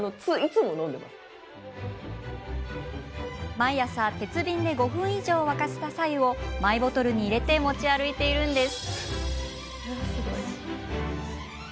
毎朝、鉄瓶で５分以上沸かした白湯をマイボトルに入れて持ち歩いているんです。